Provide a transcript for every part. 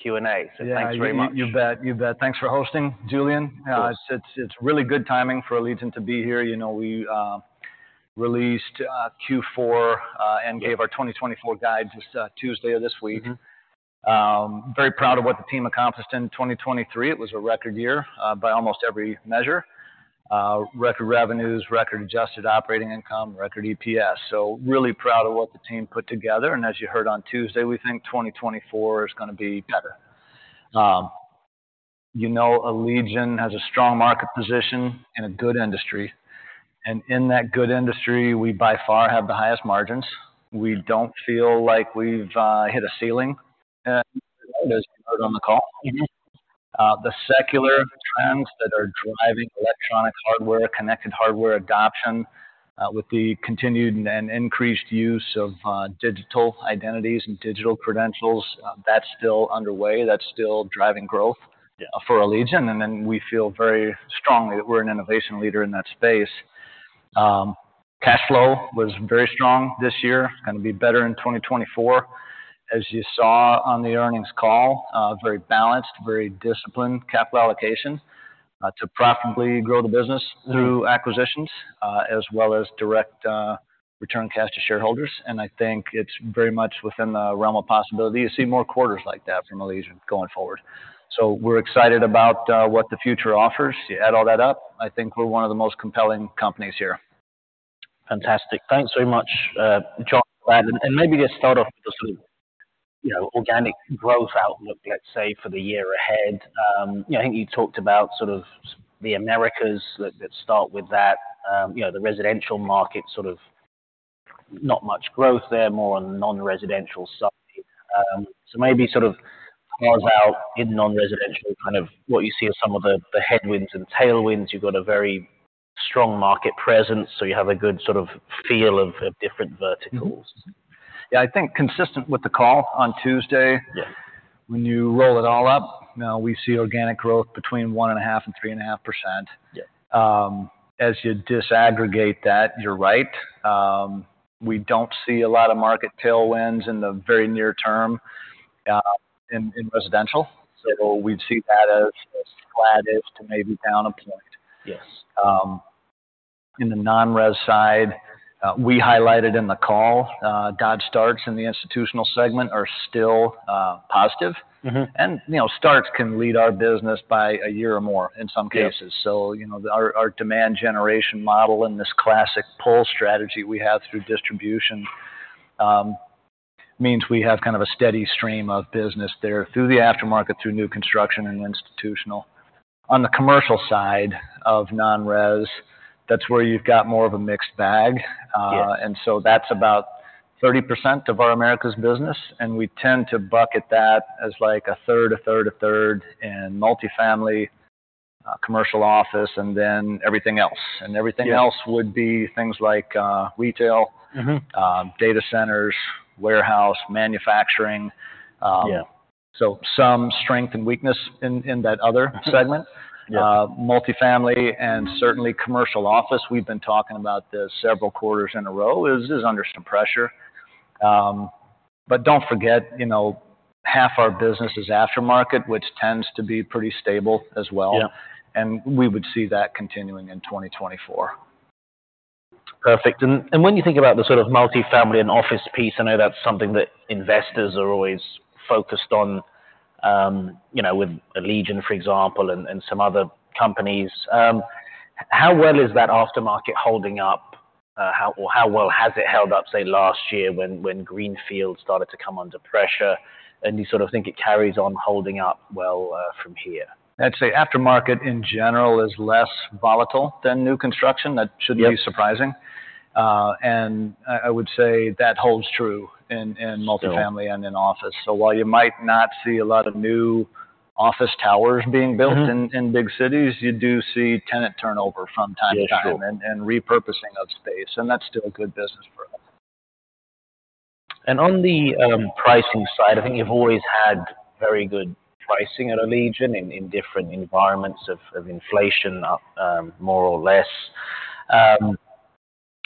Q&A. So thanks very much. Yes, you bet. Thanks for hosting, Julian. Of course. It's really good timing for Allegion to be here. You know, we released Q4 and gave our 2024 guide just Tuesday of this week. Very proud of what the team accomplished in 2023. It was a record year by almost every measure. Record revenues, record adjusted operating income, record EPS. So really proud of what the team put together, and as you heard on Tuesday, we think 2024 is gonna be better. You know, Allegion has a strong market position in a good industry, and in that good industry, we by far have the highest margins. We don't feel like we've hit a ceiling, as heard on the call. The secular trends that are driving electronic hardware, connected hardware adoption, with the continued and increased use of digital identities and digital credentials, that's still underway. That's still driving growthYeah-for Allegion, and then we feel very strongly that we're an innovation leader in that space. Cash flow was very strong this year. Gonna be better in 2024. As you saw on the earnings call, very balanced, very disciplined capital allocation, to profitably grow the business through acquisitions, as well as direct, return cash to shareholders. And I think it's very much within the realm of possibility to see more quarters like that from Allegion going forward. So we're excited about, what the future offers. You add all that up, I think we're one of the most compelling companies here. Fantastic. Thanks so much, John. And maybe just start off with just, you know, organic growth outlook, let's say, for the year ahead. You know, I think you talked about sort of the Americas, let's start with that. You know, the residential market, sort of not much growth there, more on non-residential side. So maybe sort of far out in non-residential, kind of what you see are some of the, the headwinds and tailwinds. You've got a very strong market presence, so you have a good sort of feel of different verticals. Yes, I think consistent with the call on Tuesday, when you roll it all up, now we see organic growth between 1.5% and 3.5%. As you disaggregate that, you're right. We don't see a lot of market tailwinds in the very near term, in residential. So we'd see that as flat-ish to maybe down a point. In the non-res side, we highlighted in the call, Dodge starts in the institutional segment are still positive. You know, starts can lead our business by a year or more in some cases. So, you know, our demand generation model in this classic pull strategy we have through distribution means we have kind of a steady stream of business there through the aftermarket, through new construction and institutional. On the commercial side of non-res, that's where you've got more of a mixed bag, and so that's about 30% of our Americas business, and we tend to bucket that as like a third in multifamily, commercial office, and then everything else would be things like, retail data centers, warehouse, manufacturing, some strength and weakness in that other segment. Multifamily and certainly commercial office, we've been talking about this several quarters in a row, is under some pressure. But don't forget, you know, half our business is aftermarket, which tends to be pretty stable as well. Yeah.We would see that continuing in 2024. Perfect. When you think about the sort of multifamily and office piece, I know that's something that investors are always focused on, you know, with Allegion, for example, and some other companies. How well is that aftermarket holding up? How well has it held up, say, last year, when greenfield started to come under pressure, and you sort of think it carries on holding up well, from here? I'd say aftermarket in general is less volatile than new construction that shouldn't be surprising. And I would say that holds true in multifamily and in office. So while you might not see a lot of new office towers being built in big cities, you do see tenant turnover from time to time and repurposing of space, and that's still a good business for us. On the pricing side, I think you've always had very good pricing at Allegion in different environments of inflation, more or less.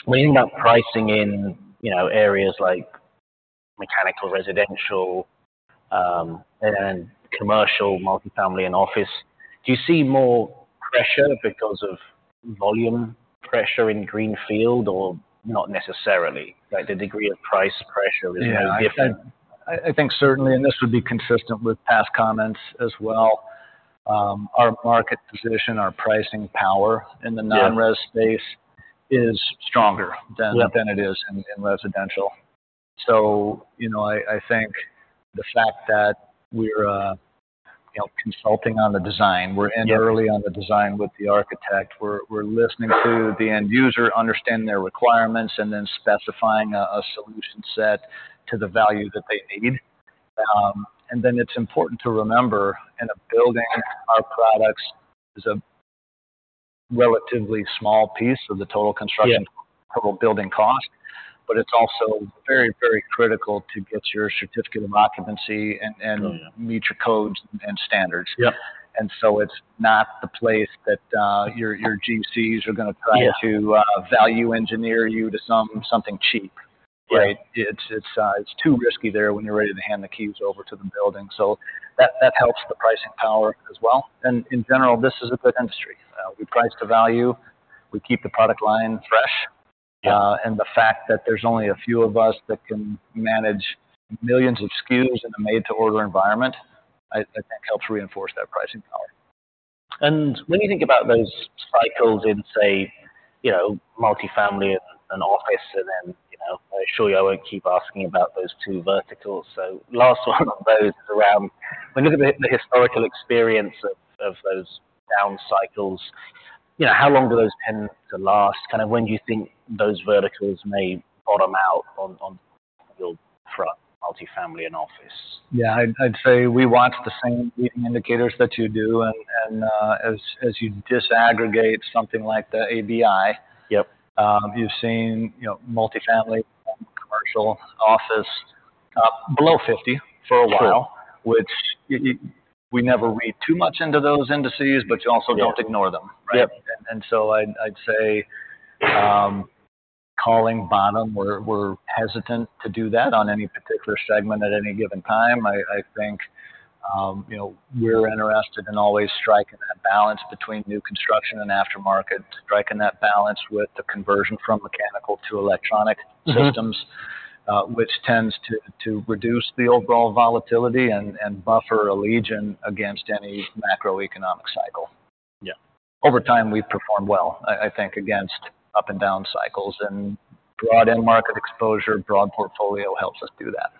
When you think about pricing in, you know, areas like mechanical, residential, and commercial, multifamily and office, do you see more pressure because of volume pressure in Greenfield or not necessarily? Like the degree of price pressure is no different. Yes. I think certainly, and this would be consistent with past comments as well, our market position, our pricing power in the non-res space is stronger than it is in residential. So, you know, I think the fact that we're, you know, consulting on the design, we're in early on the design with the architect. We're, we're listening to the end user, understanding their requirements, and then specifying a solution set to the value that they need. And then it's important to remember, in a building, our products is a relatively small piece of the total construction, total building cost, but it's also very critical to get your Certificate of Occupancy and meet your codes and standards. And so it's not the place that your GCs are gonna try to value engineer you to something cheap, right. It's too risky there when you're ready to hand the keys over to the building. So that helps the pricing power as well. In general, this is a good industry. We price to value, we keep the product line fresh and the fact that there's only a few of us that can manage millions of SKUs in a made to order environment, I think helps reinforce that pricing power. When you think about those cycles in, say, you know, multifamily and office, and then, you know, I assure you, I won't keep asking about those two verticals. Last one on those is around, when you look at the historical experience of those down cycles, you know, how long do those tend to last? Kinda when do you think those verticals may bottom out on your product, multifamily and office? Yes. I'd say we watch the same indicators that you do, and as you disaggregate something like the ABI. You've seen, you know, multifamily, commercial office, below 50 for a while, which we never read too much into those indices, but you also don't ignore them, right? Yep. And so I'd say, calling bottom, we're hesitant to do that on any particular segment at any given time. I think, you know, we're interested in always striking that balance between new construction and aftermarket, striking that balance with the conversion from mechanical to electronic systems which tends to reduce the overall volatility and buffer Allegion against any macroeconomic cycle. Over time, we've performed well, I think, against up and down cycles, and broad end market exposure. Broad portfolio helps us do that.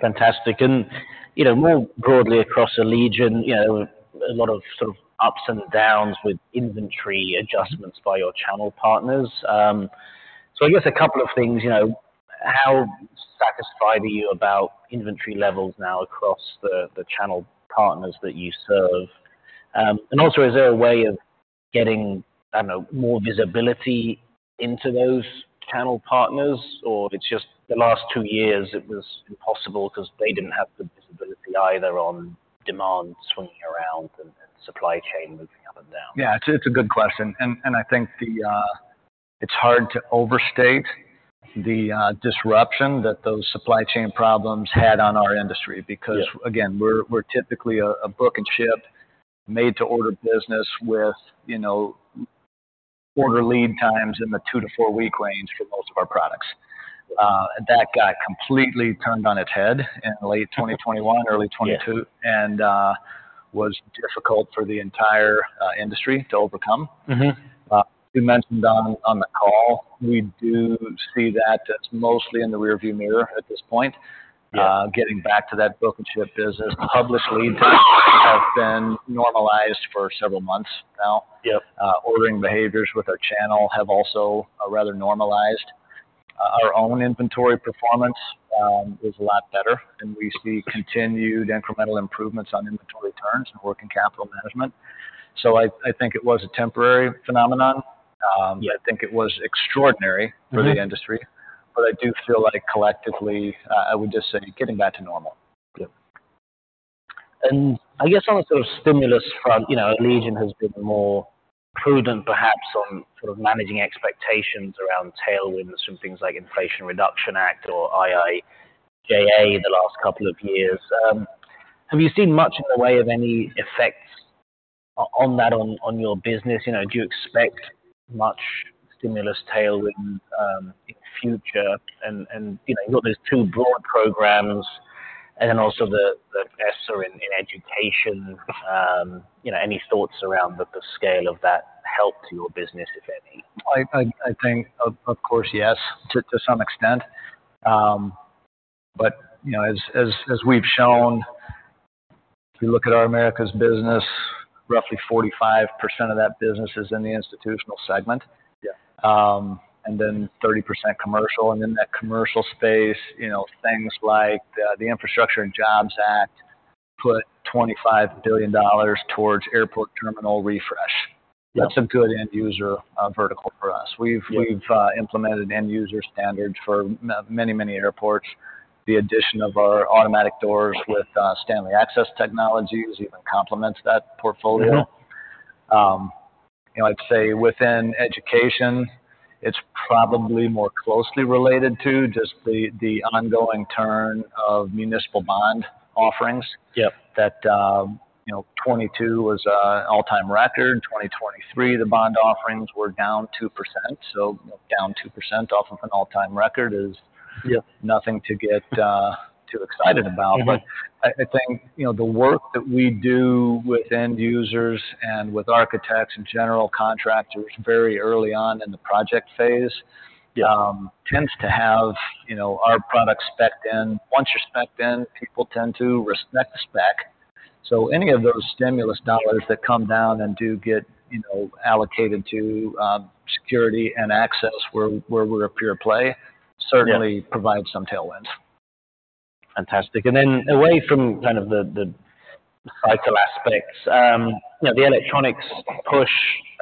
Fantastic. You know, more broadly across Allegion, you know, a lot of sort of ups and downs with inventory adjustments by your channel partners. So I guess a couple of things, you know, how satisfied are you about inventory levels now across the channel partners that you serve? And also, is there a way of getting, I don't know, more visibility into those channel partners, or it's just the last two years it was impossible 'cause they didn't have the visibility either on demand swinging around and supply chain moving up and down? Yes, it's a good question. And I think it's hard to overstate the disruption that those supply chain problems had on our industry because again, we're typically a book and ship, made to order business with, you know, order lead times in the two to four week range for most of our products. That got completely turned on its head in late 2021, early 2022 and was difficult for the entire industry to overcome. You mentioned on the call, we do see that it's mostly in the rearview mirror at this point, getting back to that book and ship business, public lead times have been normalized for several months now. Ordering behaviors with our channel have also rather normalized. Our own inventory performance is a lot better, and we see continued incremental improvements on inventory turns and working capital management. So I think it was a temporary phenomenon. I think it was extraordinary for the industry, but I do feel like collectively, I would just say getting back to normal. Yes. And I guess on the sort of stimulus front, you know, Allegion has been more prudent, perhaps, on sort of managing expectations around tailwinds from things like Inflation Reduction Act or IIJA the last couple of years. Have you seen much in the way of any effects on that, on your business? You know, do you expect much stimulus tailwind in the future? And, and, you know, there's two broad programs and then also the investor in education. You know, any thoughts around the scale of that help to your business, if any? I think, of course, yes, to some extent. But you know, as we've shown, if you look at our Americas business, roughly 45% of that business is in the institutional segment. And then 30% commercial, and in that commercial space, you know, things like the Infrastructure and Jobs Act put $25 billion towards airport terminal refresh. That's a good end user vertical for us. We've implemented end user standards for many, many airports. The addition of our automatic doors with Stanley Access Technologies even complements that portfolio, you know, I'd say within education, it's probably more closely related to just the ongoing turn of municipal bond offerings that, you know, 2022 was an all-time record. In 2023, the bond offerings were down 2%. So down 2% off of an all-time record is nothing to get too excited about. I think, you know, the work that we do with end users and with architects and general contractors very early on in the project phase tends to have, you know, our product spec'd in. Once you're spec'd in, people tend to respect the spec. So any of those stimulus dollars that come down and do get, you know, allocated to security and access, where we're a pure play certainly provides some tailwinds. Fantastic. And then away from kind of the cycle aspects, you know, the electronics push,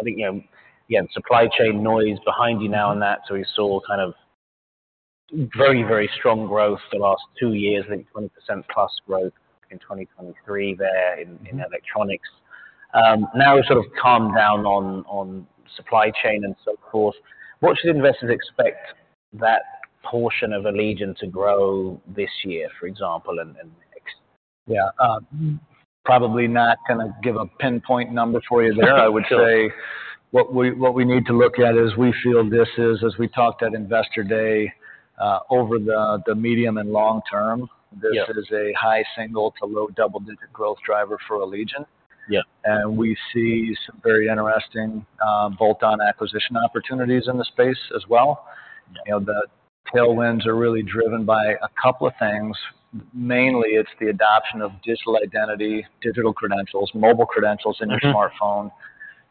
I think, you know, again, supply chain noise behind you now on that. So we saw kind of very, very strong growth the last two years, I think 20%+ growth in 2023 there in electronics. Now we've sort of calmed down on supply chain and so forth, what should investors expect that portion of Allegion to grow this year, for example, and next? Yes, probably not gonna give a pinpoint number for you there. Sure. I would say, what we need to look at is, we feel this is, as we talked at Investor Day, over the medium and long term, this is a high single to low double-digit growth driver for Allegion. We see some very interesting, bolt-on acquisition opportunities in the space as well. You know, the tailwinds are really driven by a couple of things. Mainly, it's the adoption of digital identity, digital credentials, mobile credentials-Mm-hmm.in your smartphone,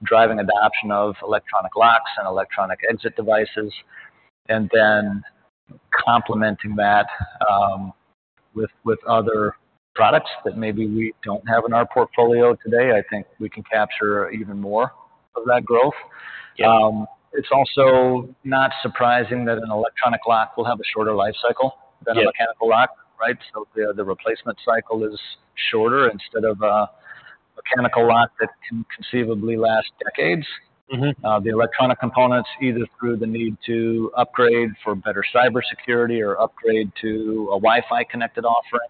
driving adoption of electronic locks and electronic exit devices, and then complementing that, with other products that maybe we don't have in our portfolio today. I think we can capture even more of that growth. It's also not surprising that an electronic lock will have a shorter life cycle than a mechanical lock, right? So the replacement cycle is shorter, instead of a mechanical lock that can conceivably last decades. The electronic components, either through the need to upgrade for better cybersecurity or upgrade to a Wi-Fi connected offering,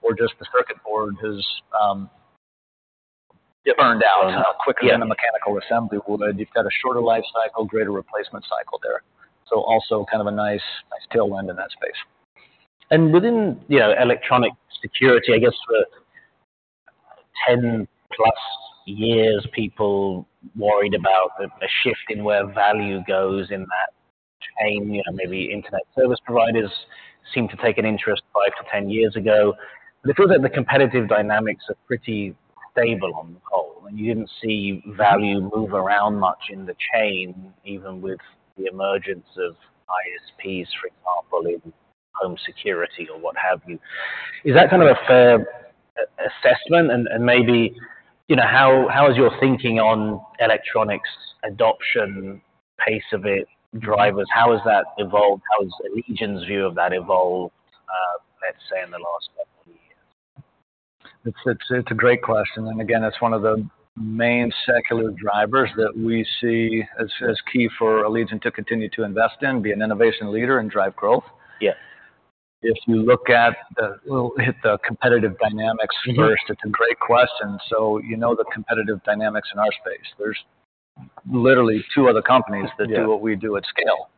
or just the circuit board has burned out quicker than a mechanical assembly would. You've got a shorter life cycle, greater replacement cycle there. So also kind of a nice, nice tailwind in that space. Within, you know, electronic security, I guess for 10+ years, people worried about a shift in where value goes in that chain. You know, maybe internet service providers seemed to take an interest 5-10 years ago. But it feels like the competitive dynamics are pretty stable on the whole, and you didn't see value move around much in the chain, even with the emergence of ISPs, for example, in home security or what have you. Is that kind of a fair assessment? And maybe, you know, how is your thinking on electronics adoption, pace of it, drivers, how has that evolved? How has Allegion's view of that evolved, let's say, in the last couple of years? It's a great question. And again, it's one of the main secular drivers that we see as key for Allegion to continue to invest in, be an innovation leader and drive growth. Yeah. If you look at the, we'll hit the competitive dynamics first. It's a great question. So you know the competitive dynamics in our space. There's literally two other companies that do what we do at scale.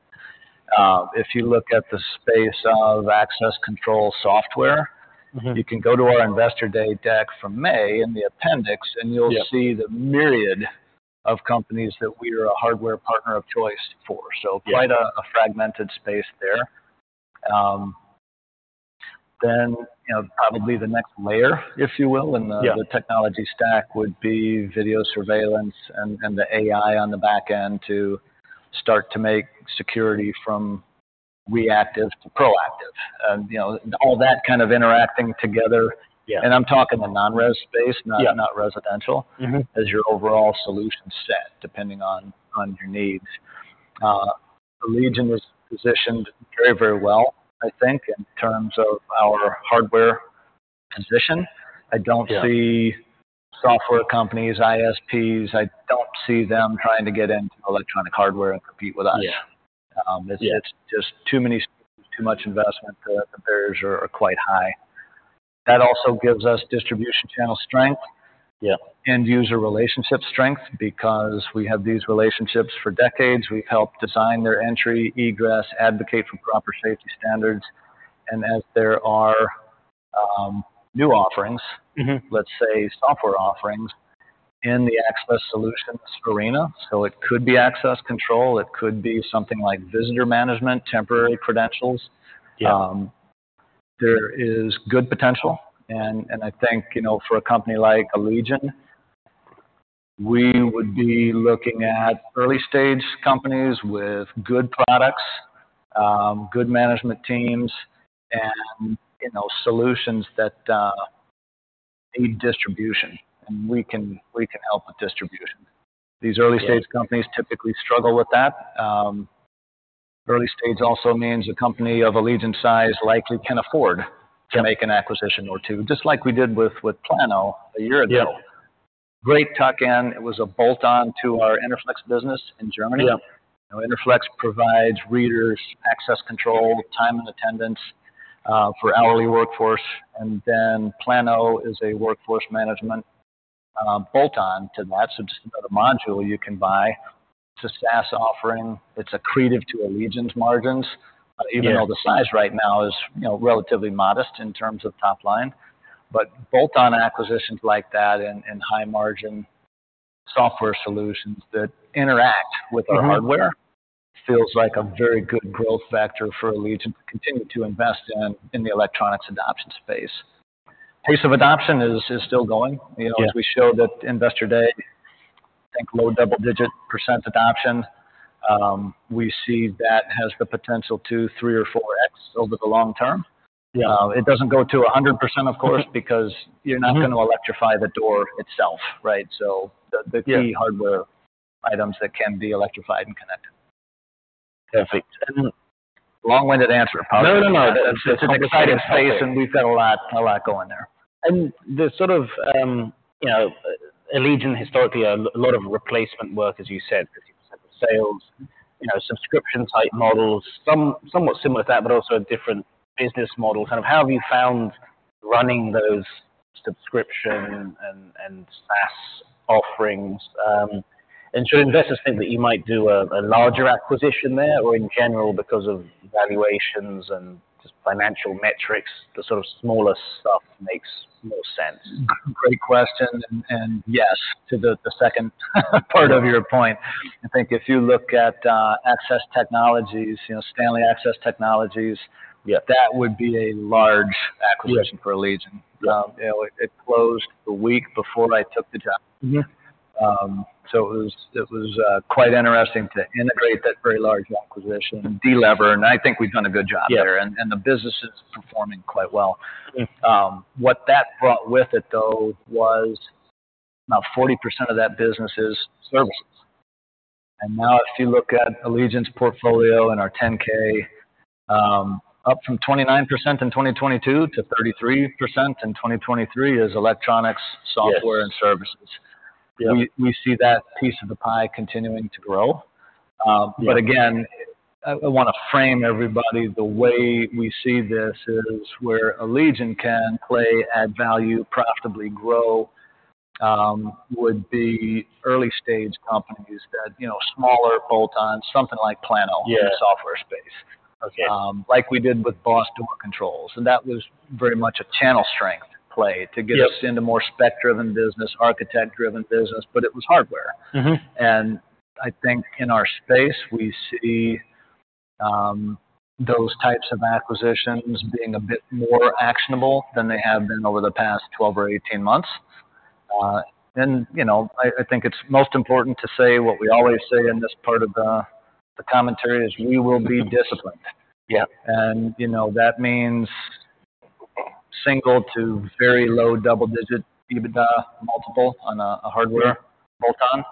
If you look at the space of access control software, you can go to our Investor Day deck from May in the appendix, and you'll see the myriad of companies that we are a hardware partner of choice for. So quite a fragmented space there. Then, you know, probably the next layer, if you will, in the the technology stack would be video surveillance and the AI on the back end to start to make security from reactive to proactive. And, you know, all that kind of interacting together, I'm talking the non-res space, not not residential. As your overall solution set, depending on your needs. Allegion was positioned very well, I think, in terms of our hardware position I don't see software companies, ISPs. I don't see them trying to get into electronic hardware and compete with us. It's just too many, too much investment. The barriers are quite high. That also gives us distribution channel strength end user relationship strength, because we have these relationships for decades. We've helped design their entry, egress, advocate for proper safety standards. And as there are, new offerings let's say, software offerings in the access solutions arena, so it could be access control, it could be something like visitor management, temporary credentials. There is good potential. And, and I think, you know, for a company like Allegion, we would be looking at early-stage companies with good products, good management teams, and, you know, solutions that need distribution. And we can, we can help with distribution. These early-stage companies typically struggle with that. Early stage also means a company of Allegion's size likely can afford-Yeah-to make an acquisition or two, just like we did with Plano a year ago. Great tuck-in. It was a bolt-on to our Interflex business in Germany. you know, Interflex provides readers access control, time and attendance, for hourly workforce, and then Plano is a workforce management, bolt-on to that. So just another module you can buy. It's a SaaS offering. It's accretive to Allegion's margins even though the size right now is, you know, relatively modest in terms of top line. But bolt-on acquisitions like that and high-margin software solutions that interact with our hardware, feels like a very good growth vector for Allegion to continue to invest in, in the electronics adoption space. Pace of adoption is still going. You know, as we showed at Investor Day, I think low double-digit % adoption. We see that has the potential to 3 or 4x over the long term. It doesn't go to 100%, of course because you're not gonna electrify the door itself, right? So the key hardware items that can be electrified and connected. Perfect. Long-winded answer, probably. No, that's- It's an exciting space, and we've got a lot, a lot going there. -the sort of, you know, Allegion historically, a lot of replacement work, as you said, 50% of sales, you know, subscription-type models, somewhat similar to that, but also a different business model. Kind of, how have you found running those subscription and SaaS offerings, and should investors think that you might do a larger acquisition there, or in general, because of valuations and just financial metrics, the sort of smaller stuff makes more sense? Great question, and yes, to the second part of your point. I think if you look at Access Technologies, you know, Stanley Access Technologies that would be a large acquisition for Allegion. You know, it closed the week before I took the job. So it was quite interesting to integrate that very large acquisition and de-lever, and I think we've done a good job there. And the business is performing quite well. What that brought with it, though, was about 40% of that business is services. And now if you look at Allegion's portfolio and our 10-K, up from 29% in 2022 to 33% in 2023, is electronics, software and services. We see that piece of the pie continuing to grow, but again, I want to frame everybody, the way we see this is where Allegion can play, add value, profitably grow, would be early-stage companies that, you know, smaller bolt-ons, something like Plano in the software space. Okay. Like we did with Boss Door Controls, and that was very much a channel strength play to get us into more spec-driven business, architect-driven business, but it was hardware. I think in our space, we see those types of acquisitions being a bit more actionable than they have been over the past 12 or 18 months. You know, I think it's most important to say what we always say in this part of the commentary, is we will be disciplined. You know, that means single to very low double-digit EBITDA multiple on a hardware-Yeah- bolt-on.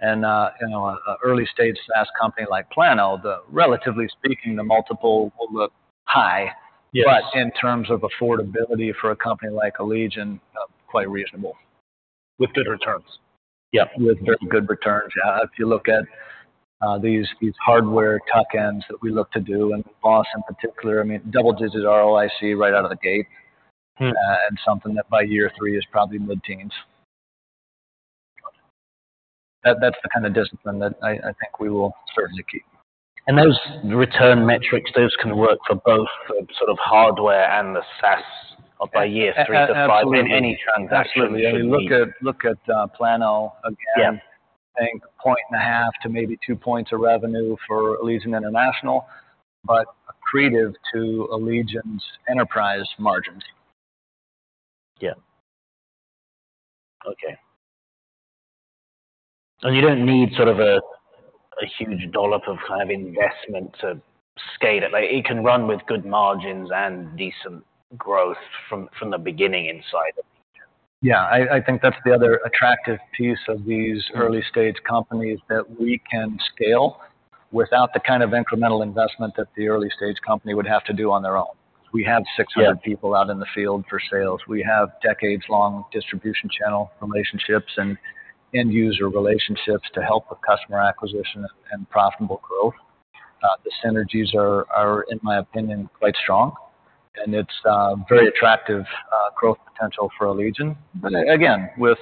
And, you know, an early-stage SaaS company like Plano, relatively speaking, the multiple will look highbut in terms of affordability for a company like Allegion, quite reasonable. With good returns? With very good returns. Yes. If you look at these hardware tuck-ins that we look to do, and Boss in particular, I mean, double-digit ROIC right out of the gate, something that by year three is probably mid-teens. That, that's the kind of discipline that I think we will certainly keep. Those return metrics, those can work for both the sort of hardware and the SaaS, or by year three to five- Absolutely. any transaction you need. Absolutely. I mean, look at, look at, Plano again. I think 1.5 to maybe 2 points of revenue for Allegion International, but accretive to Allegion's enterprise margins. Yeah. Okay. And you don't need sort of a huge dollop of kind of investment to scale it. Like, it can run with good margins and decent growth from the beginning inside of it? Yeah, I think that's the other attractive piece of these early-stage companies, that we can scale without the kind of incremental investment that the early-stage company would have to do on their own. We have 600 people out in the field for sales. We have decades-long distribution channel relationships and end user relationships to help with customer acquisition and profitable growth. The synergies are, in my opinion, quite strong, and it's very attractive growth potential for Allegion. But again, with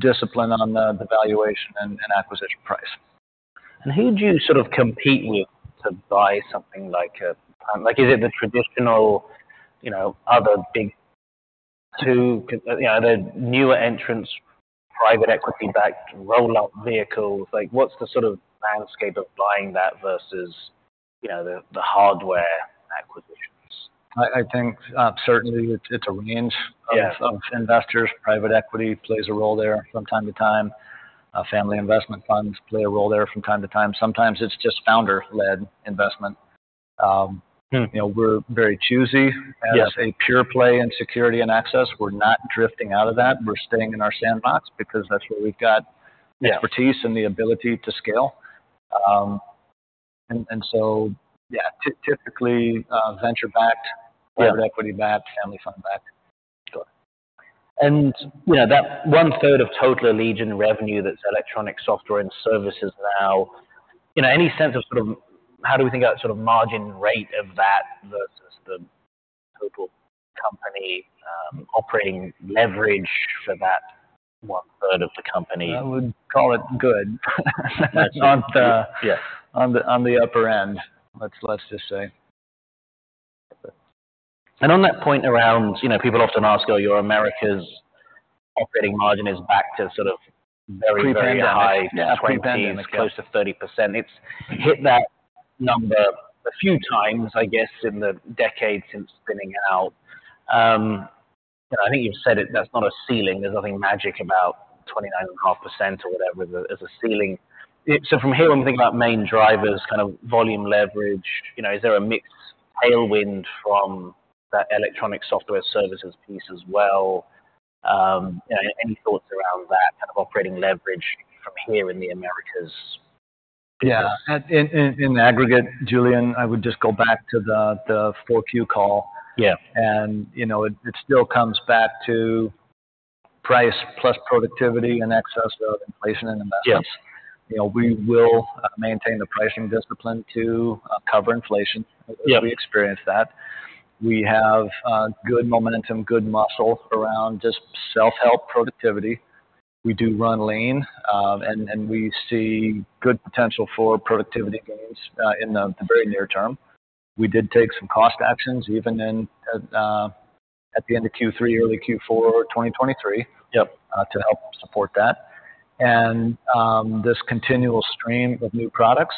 discipline on the valuation and acquisition price. Who do you sort of compete with to buy something like a, is it the traditional, you know, other big two, you know, the newer entrants, private equity-backed, roll up vehicles? Like, what's the sort of landscape of buying that versus, you know, the, the hardware acquisitions? I think certainly it's a range of investors. Private equity plays a role there from time to time. Family investment funds play a role there from time to time. Sometimes it's just founder-led investment, you know, we're very choosy. Yes. As a pure play in security and access, we're not drifting out of that. We're staying in our sandbox because that's where we've got expertise and the ability to scale. And so, yes, typically venture-backed, private equity-backed, family fund-backed. Sure. And, you know, that one-third of total Allegion revenue, that's electronic software and services now, you know, any sense of sort of how do we think about sort of margin rate of that versus the total company, operating leverage for that one-third of the company? I would call it good. That's yes. On the upper end, let's just say... On that point around, you know, people often ask, oh, your Americas operating margin is back to sort of very, very high- Pre-pandemic. - 20s Yeah, pre-pandemic -close to 30%. It's hit that number a few times, I guess, in the decades since spinning out. I think you've said it, that's not a ceiling. There's nothing magic about 29.5% or whatever as a ceiling. From here, when we think about main drivers, kind of volume leverage, you know, is there a mixed tailwind from that electronic software services piece as well? Any thoughts around that kind of operating leverage from here in the Americas? Yeah. In aggregate, Julian, I would just go back to the 4Q call. Yeah. You know, it still comes back to price plus productivity and excess of inflation and investments. Yes. You know, we will maintain the pricing discipline to cover inflation as we experience that. We have good momentum, good muscle around just self-help productivity. We do run lean, and we see good potential for productivity gains in the very near term. We did take some cost actions, even in at the end of Q3, early Q4 of 2023.Yep.to help support that. And, this continual stream of new products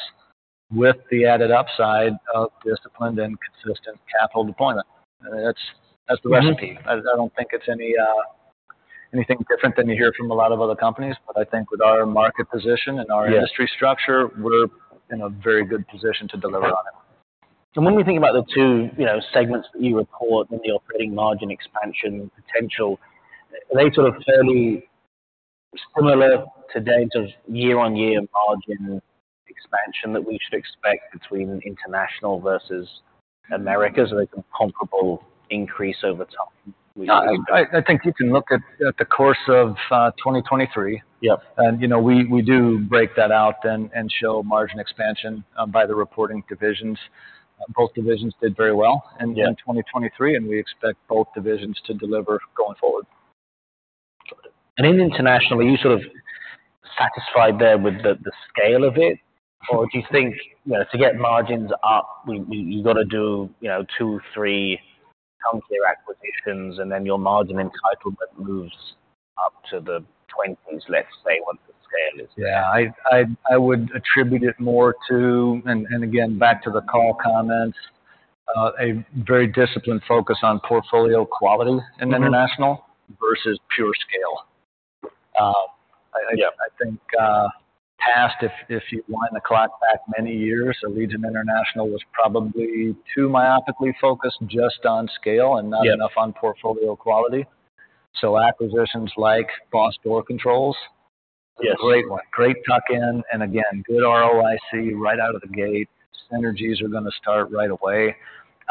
with the added upside of disciplined and consistent capital deployment, that's, that's the recipe. I don't think it's anything different than you hear from a lot of other companies, but I think with our market position and our industry structure, we're in a very good position to deliver on it. When we think about the two, you know, segments that you report and the operating margin expansion potential, are they sort of fairly similar to date, year-on-year margin expansion that we should expect between International versus Americas? Are they comparable increase over time? I think you can look at the course of 2023. You know, we do break that out and show margin expansion by the reporting divisions. Both divisions did very well in 2023, and we expect both divisions to deliver going forward. In international, are you sort of satisfied there with the scale of it? Or do you think, you know, to get margins up, you got to do, you know, two, three counter acquisitions, and then your margin entitlement moves up to the twenties, let's say, once the scale is... Yes. I would attribute it more to, and again, back to the call comments, a very disciplined focus on portfolio quality in international versus pure scale. I think, if you wind the clock back many years, Allegion International was probably too myopically focused just on scale and not enough on portfolio quality. So acquisitions like Boss Door Controls, great one, great tuck in, and again, good ROIC right out of the gate. Synergies are gonna start right away.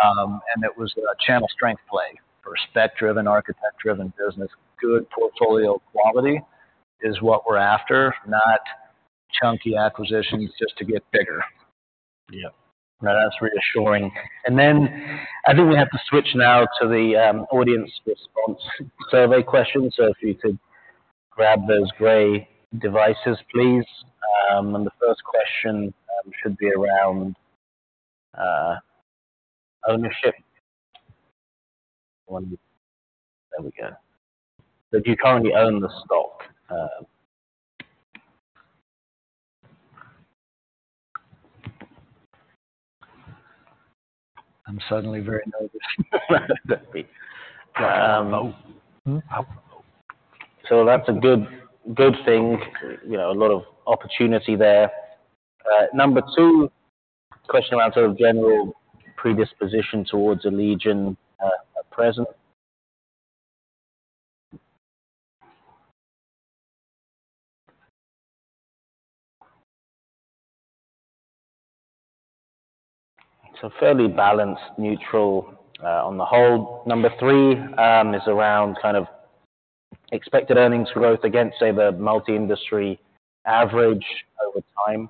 And it was a channel strength play for a spec-driven, architect-driven business. Good portfolio quality is what we're after, not chunky acquisitions just to get bigger. Yes. No, that's reassuring. And then I think we have to switch now to the audience response survey questions. So if you could grab those gray devices, please. And the first question should be around ownership. There we go. So do you currently own the stock? I'm suddenly very nervous. So that's a good, good thing. You know, a lot of opportunity there. Number two, question around sort of general predisposition towards Allegion at present. So fairly balanced, neutral on the whole. Number three is around kind of expected earnings growth against, say, the multi-industry average over time.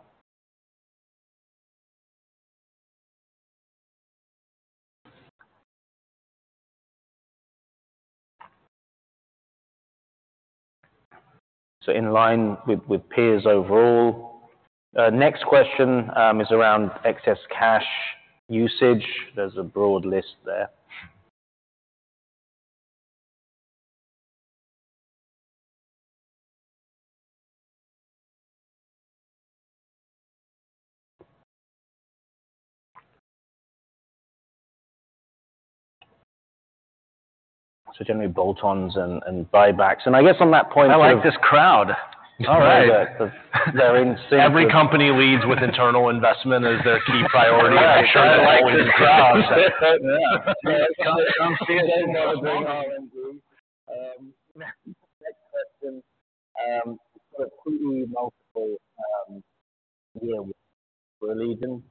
So in line with, with peers overall. Next question is around excess cash usage. There's a broad list there. So generally, bolt-ons and, and buybacks. And I guess on that point- I like this crowd. All right. They're in sync. Every company leads with internal investment as a key priority. I like this crowd. Next question, the P/E multiple, you know, for Allegion.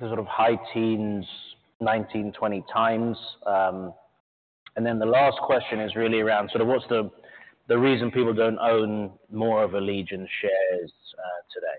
The sort of high teens, 19, 20 times. And then the last question is really around sort of what's the reason people don't own more of Allegion shares today?